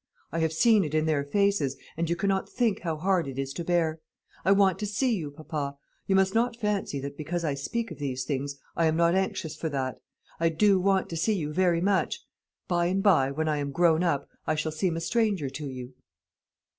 I have seen it in their faces, and you cannot think how hard it is to bear. And I want to see you, papa. You must not fancy that, because I speak of these things, I am not anxious for that. I do want to see you very much. By and by, when I am grown up, I shall seem a stranger to you."